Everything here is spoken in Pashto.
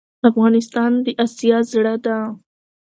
افغانستان دي اسيا زړه ده